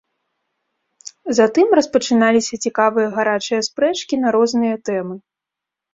Затым распачыналіся цікавыя гарачыя спрэчкі на розныя тэмы.